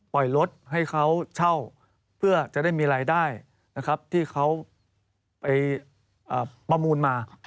ปล่อยรถให้เขาเช่าเพื่อจะได้มีรายได้นะครับที่เขาไปประมูลมา